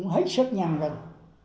hãy sức nguyên minh